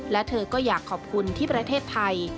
และเธอก็อยากขอบคุณที่ประเทศไทย